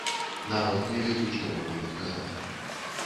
Нават не ведаю, што пакуль адказаць.